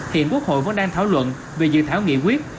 hiện quốc hội vẫn đang thảo luận về dự thảo nghị quyết